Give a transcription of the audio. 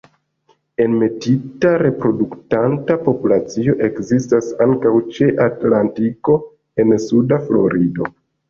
Enmetita reproduktanta populacio ekzistas ankaŭ ĉe Atlantiko en suda Florido.